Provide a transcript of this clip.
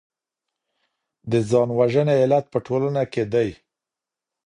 د ځان وژنې علت په ټولنه کي دی.